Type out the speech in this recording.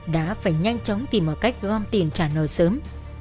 đã phải nhanh chóng tìm mọi cách gom tiền trả nợ sớm